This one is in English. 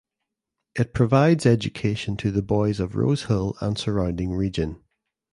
It provides education to the boys of Rose Hill and surrounding region.